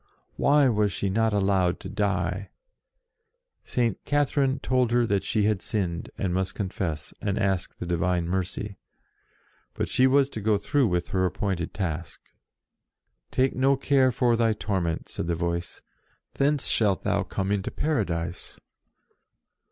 Why was she not allowed to die ! St. Catherine told her that she had sinned, and must confess, and ask the Divine mercy. But she was to go through with her appointed task. "Take no care for thy torment," said the Voice ;" thence shalt thou come into Paradise."